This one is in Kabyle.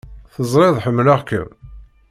Teẓrid ḥemmleɣ-kem!